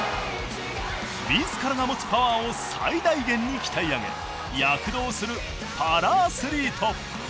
みずからが持つパワーを最大限に鍛え上げ躍動するパラアスリート。